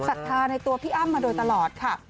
ศรัทธาในตัวพี่อ้ำมาโดยตลอดค่ะ